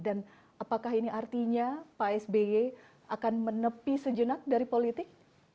dan apakah ini artinya pak sby akan menepi sejenak dari politik